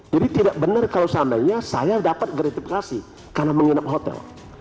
jadi tidak benar kalau seandainya saya dapat gratifikasi karena menginap hotel